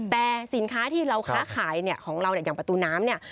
แต่สินค้าที่เราค้าขายของเราอย่างประตูน้ำ